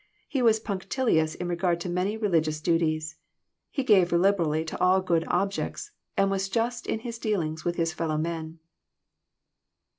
He was punctilious in regard to many religious duties. He gave liberally to all good objects, and was just in his dealings with his fellowmen.